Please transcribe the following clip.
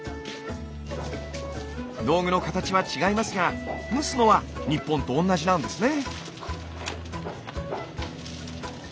道具の形は違いますが蒸すのは日本と同じなんですね。